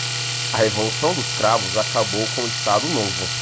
A Revolução dos Cravos acabou com o Estado Novo.